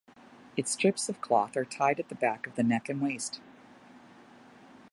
Its strips of cloth are tied at the back of neck and waist.